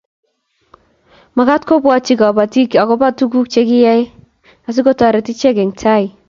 mekat kobwotyi kabotik akobo tuguk che kiyae asikutoret icheke eng' tai